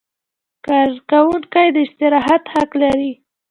کارکوونکی د استراحت حق لري.